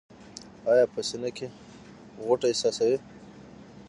ایا په سینه کې غوټه احساسوئ؟